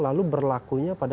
lalu berlakunya pada